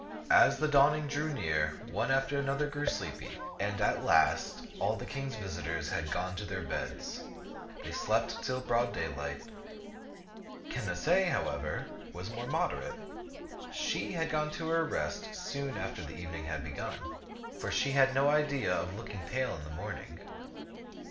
As the dawning drew near, one after another grew sleepy, and at last all the King's visitors had gone to their beds. They slept till it was broad daylight. Cana cee, however, was more moderate. She had gone to her rest soon after the evening had begun, for she had 174 ^$e ^Cjum'^ ^ak no idea of looking pale in the morning.